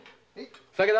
酒だ。